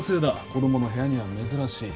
子供の部屋には珍しい。